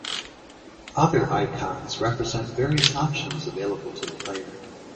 Other icons represent various options available to the player.